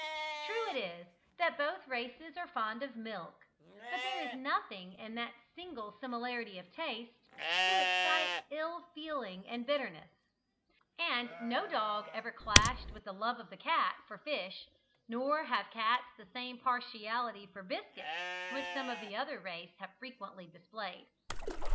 True it is, that both races are fond of milk, but there is nothing in that single similarity of taste to excite ill feeling and bitterness; and no dog ever clashed with the love of the cat for fish, nor have cats the same partiality for biscuits which some of the other race have frequently displayed.